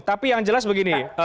tapi yang jelas begini